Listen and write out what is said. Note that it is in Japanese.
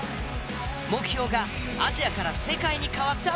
目標がアジアから世界に変わった分岐点。